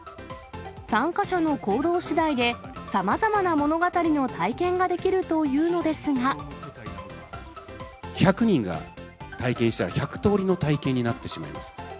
参加者の行動しだいで、さまざまな物語の体験ができるというので１００人が体験したら、１００通りの体験になってしまいます。